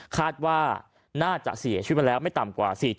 คาดว่าน่าจะเสียชีวิตมาแล้วไม่ต่ำกว่า